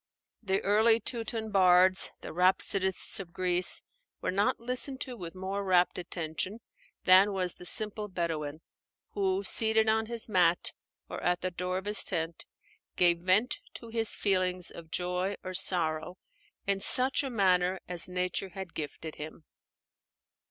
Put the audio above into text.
The early Teuton bards, the rhapsodists of Greece, were not listened to with more rapt attention than was the simple Bedouin, who, seated on his mat or at the door of his tent, gave vent to his feelings of joy or sorrow in such manner as nature had gifted him.